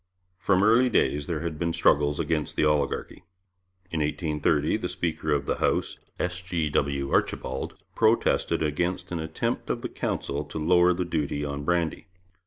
From early days there had been struggles against the oligarchy. In 1830 the speaker of the House, S. G. W. Archibald, protested against an attempt of the Council to lower the duty on brandy.